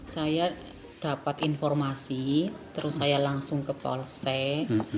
saya dapat informasi terus saya langsung ke polsek